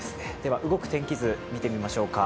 動く天気図、見てみましょうか。